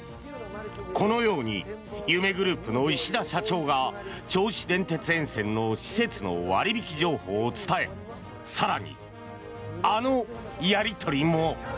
このように夢グループの石田社長が銚子電鉄沿線の施設の割引情報を伝え更に、あのやり取りも。